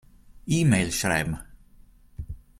E-Mail schreiben.